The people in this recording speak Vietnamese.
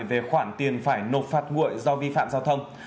về khoản tiền phải nộp phạt nguội do vi phạm giao thông